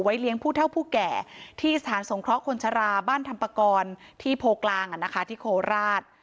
เลี้ยงผู้เท่าผู้แก่ที่สถานสงเคราะห์คนชราบ้านธรรมประกอบที่โพกลางที่โคราช